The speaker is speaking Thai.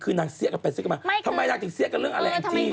คือนางเสียกันเป็นสิ่งอื่นมากทำไมนางจะเสียกันเรื่องอะไรอีกที